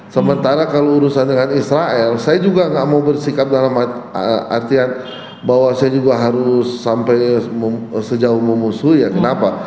sementara kalau urusan dengan israel saya juga nggak mau bersikap dalam artian bahwa saya juga harus sampai sejauh memusuhi ya kenapa